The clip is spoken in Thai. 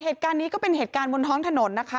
เหตุการณ์นี้ก็เป็นเหตุการณ์บนท้องถนนนะคะ